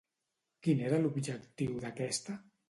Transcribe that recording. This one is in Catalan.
Quin era l'objectiu d'aquesta?